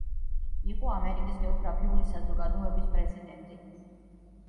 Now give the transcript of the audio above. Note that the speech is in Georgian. იყო ამერიკის გეოგრაფიული საზოგადოების პრეზიდენტი.